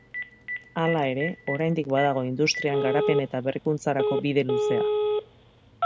Hala ere, oraindik badago industrian garapen eta berrikuntzarako bide luzea.